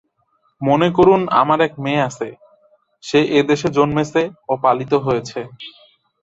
মনে করুন আমার এক মেয়ে আছে, সে এদেশে জন্মেছে ও পালিত হয়েছে।